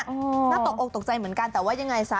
น่าตกอกตกใจเหมือนกันแต่ว่ายังไงซะ